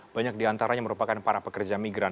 banyak diantaranya merupakan para pekerja migran